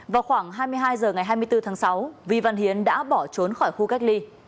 vào khoảng hai mươi hai h ngày hai mươi bốn tháng sáu vi văn hiến đã bỏ trốn khỏi khu cách ly